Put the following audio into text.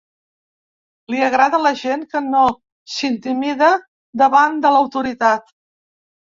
Li agrada la gent que no s'intimida davant de l'autoritat.